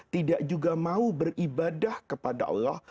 tidak juga mau beribadah kepada allah